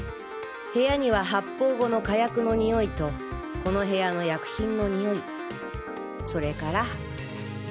部屋には発砲後の火薬のにおいとこの部屋の薬品のにおいそれから。